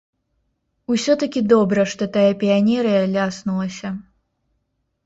Усё-такі добра, што тая піянерыя ляснулася!